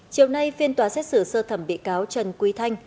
chiều nay phiên tòa xét xử sơ thẩm bị cáo trần quý thanh